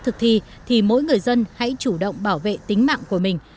thì mỗi người dân hãy chủ động bảo vệ tính mạng của mình